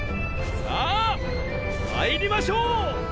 さあっ参りましょう！